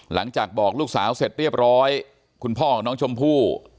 หลังจากบอกลูกสาวเสร็จเรียบร้อยคุณพ่อของน้องชมพู่